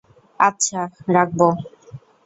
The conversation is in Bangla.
আচ্ছা, রাখব।